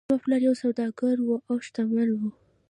زما پلار یو سوداګر و او شتمن و.